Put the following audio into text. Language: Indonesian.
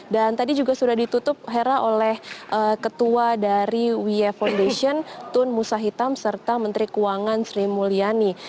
dan tadi juga sudah ditutup hera oleh ketua dari uf foundation tun musa hitam serta menteri keuangan sri mulyani